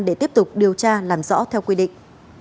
để tiếp tục điều tra làm rõ theo quy định